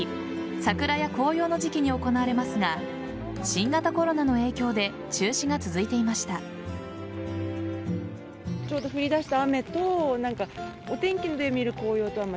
桜や紅葉の時期に行われますが新型コロナの影響で中止が続いていました。